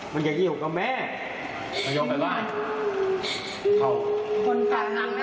มันอยากอยู่กับแม่